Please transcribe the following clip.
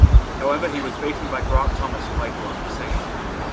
However he was beaten by Grant Thomas who later won the seat.